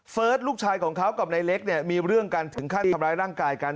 ลูกชายของเขากับนายเล็กเนี่ยมีเรื่องกันถึงขั้นทำร้ายร่างกายกัน